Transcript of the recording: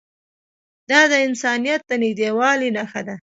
دا د انسانیت د نږدېوالي نښه ده.